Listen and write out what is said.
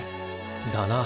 だな。